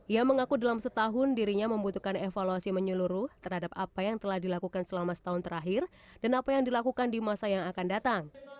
ia mengaku dalam setahun dirinya membutuhkan evaluasi menyeluruh terhadap apa yang telah dilakukan selama setahun terakhir dan apa yang dilakukan di masa yang akan datang